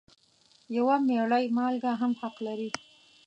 یوه مړۍ مالګه هم حق لري.